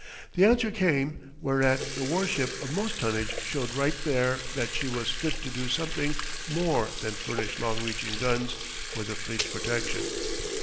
The answer came, whereat the war ship of most tonnage showed right there that she was fit to do something more than furnish long reaching guns for the fleet's protection.